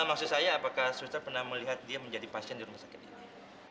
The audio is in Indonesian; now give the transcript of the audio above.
maksud saya apakah suster pernah melihat dia menjadi pasien di rumah sakit ini